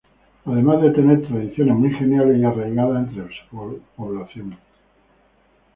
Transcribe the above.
Además de tener tradiciones muy geniales y arraigadas entre su población.